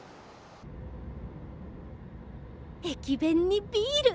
駅弁にビール！